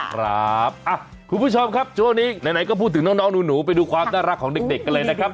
คุณผู้ชมครับช่วงนี้ไหนก็พูดถึงน้องหนูไปดูความน่ารักของเด็กกันเลยนะครับ